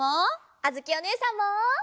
あづきおねえさんも！